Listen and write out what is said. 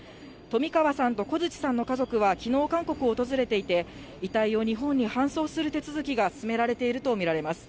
冨川さんと小槌さんの家族はきのう、韓国を訪れていて、遺体を日本に搬送する手続きが進められていると見られます。